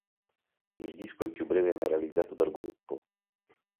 Il disco è il più breve mai realizzato dal gruppo.